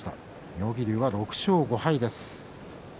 妙義龍は６勝５敗です。